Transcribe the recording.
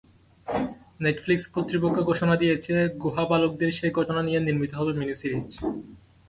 Netflix কর্তৃপক্ষ ঘোষণা দিয়েছে, গুহাবালকদের সেই ঘটনা নিয়ে নির্মিত হবে মিনি সিরিজ।